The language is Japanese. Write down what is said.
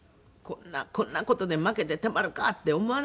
「こんな事で負けてたまるかって思わないと」。